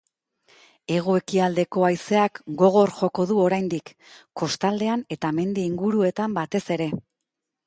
Hego-ekialdeko haizeak gogor joko du oraindik, kostaldean eta mendi inguruetan batez ere.